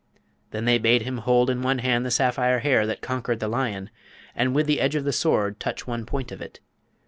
Then they bade him hold in one hand the sapphire hair that conquered the lion, and with the edge of the Sword touch one point of it.